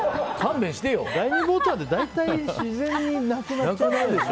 第２ボタンって大体、自然になくなるでしょ。